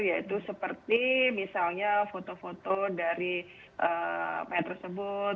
yaitu seperti misalnya foto foto dari mayat tersebut